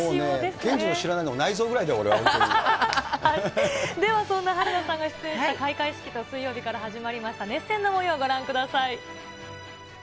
けんじの知らないの、内臓ぐでは、そんなはるなさんが出演した開会式と水曜日から始まりました熱戦のもようをご覧ください。